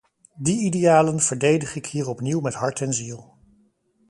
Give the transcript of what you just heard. Die idealen verdedig ik hier opnieuw met hart en ziel.